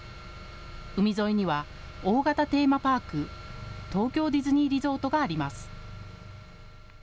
海沿いには大型テーマパーク、東京ディズニーリゾートがあります。